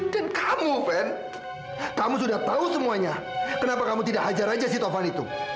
dan kamu ben kamu sudah tahu semuanya kenapa kamu tidak hajar aja si tovan itu